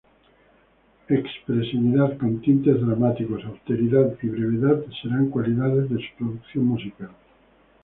Expresividad con tintes dramáticos, austeridad y, brevedad, serán cualidades de su producción musical.